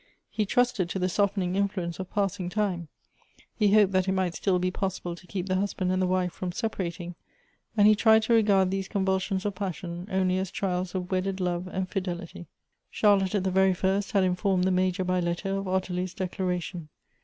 He trusted to the softening influence of passing time ; he hoped that it might still be possible to keep the husband and the wife from separating ; and he tried to regard these convulsions of passion only as trials of wedded love and fidelity. 296 Goethe's Charlotte, at the very first, had informed the Major by letter of Ottilia's declaration.